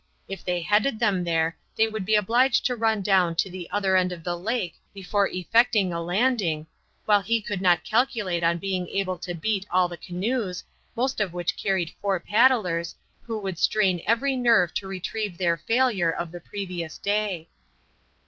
If they headed them there they would be obliged to run down to the other end of the lake before effecting a landing, while he could not calculate on being able to beat all the canoes, most of which carried four paddlers, who would strain every nerve to retrieve their failure of the previous day.